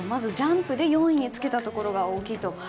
ジャンプで４位につけたところが大きいと。